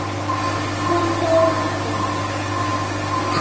潘多拉嘅盒